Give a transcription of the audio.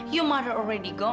ibu kamu sudah pergi